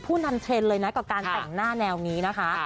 นำเทรนด์เลยนะกับการแต่งหน้าแนวนี้นะคะ